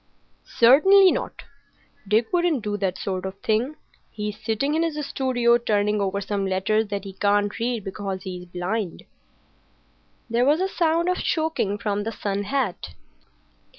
"Certainly not. Dick wouldn't do that sort of thing. He's sitting in his studio, turning over some letters that he can't read because he's blind." There was a sound of choking from the sun hat.